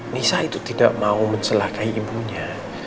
nisa itu tidak mau mencelakai ibunya